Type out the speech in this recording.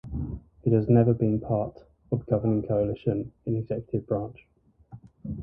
It has never been part of governing coalition in executive branch.